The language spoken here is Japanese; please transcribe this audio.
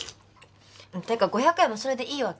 てか５００円もそれでいいわけ？